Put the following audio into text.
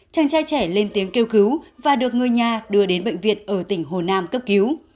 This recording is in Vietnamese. chàng trai trẻ lên tiếng kêu cứu và được người nhà đưa đến bệnh viện ở tỉnh hồ nam cấp cứu